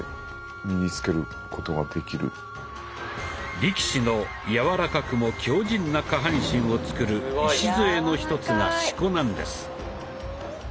力士の柔らかくも強じんな下半身をつくる礎の一つが四股なんです。